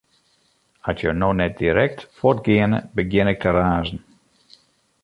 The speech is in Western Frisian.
At jo no net direkt fuort geane, begjin ik te razen.